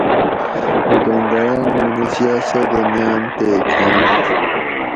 دکانداراۤن ما نِیسیا سودہ نیاۤنت تے کھاۤنت